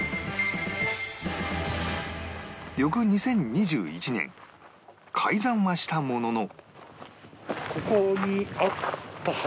翌２０２１年開山はしたものの